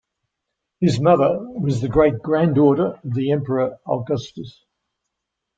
His mother was the great-granddaughter of the emperor Augustus.